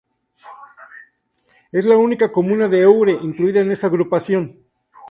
Es la única comuna de Eure incluida en esa agrupación.